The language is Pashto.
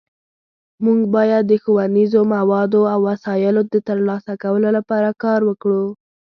مونږ باید د ښوونیزو موادو او وسایلو د ترلاسه کولو لپاره کار وکړو